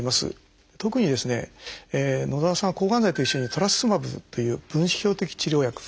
特に野澤さんは抗がん剤と一緒にトラスツズマブという分子標的治療薬。